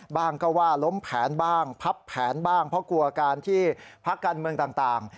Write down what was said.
บ้างก็ว่าล้มแผนบ้างพับแผนบ้างเพราะกลัวการที่พักการเมืองต่าง